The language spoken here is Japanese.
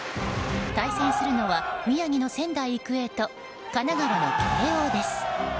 対戦するのは宮城の仙台育英と神奈川の慶応です。